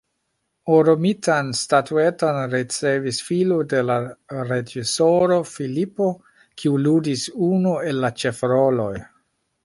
Orumitan statueton ricevis filo de la reĝisoro, Filipo, kiu ludis unu el la ĉefroloj.